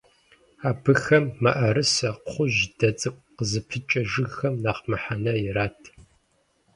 Абыхэм мыӀэрысэ, кхъужь, дэ цӀыкӀу къызыпыкӀэ жыгхэм нэхъ мыхьэнэ ират.